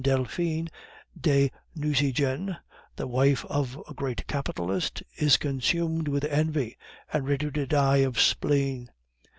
Delphine de Nucingen, the wife of a great capitalist, is consumed with envy, and ready to die of spleen.